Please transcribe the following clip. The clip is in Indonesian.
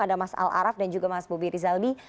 ada mas al arab dan juga mas bobi rizalmi